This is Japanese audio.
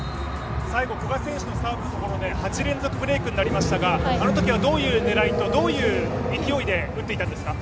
最後古賀選手のサーブのところで８連続ブレイクになりましたがあのときはどういう狙いとどういう勢いで打っていたのですか？